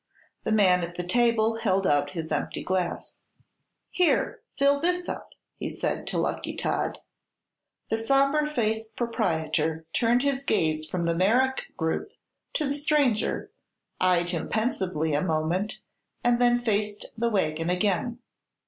The man at the table held out his empty glass. "Here; fill this up," he said to Lucky Todd. The somber faced proprietor turned his gaze from the Merrick group to the stranger, eyed him pensively a moment and then faced the wagon again.